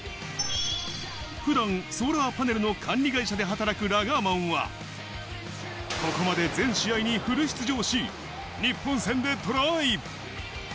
普段、ソーラーパネルの管理会社で働くラガーマンは、ここまで全試合にフル出場し、日本戦でトライ。